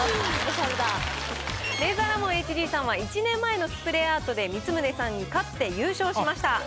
レイザーラモン・ＨＧさんは１年前のスプレーアートで光宗さんに勝って優勝しました。